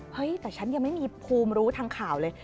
เฮ้ยแต่ฉันยังไม่มีภูมิรู้ทางข่าวเลย